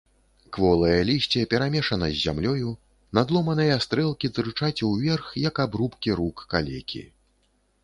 Кволае лісце перамешана з зямлёю, надломаныя стрэлкі тырчаць уверх як абрубкі рук калекі.